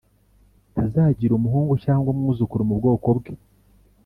ntazagira umuhungu cyangwa umwuzukuru mu bwoko bwe,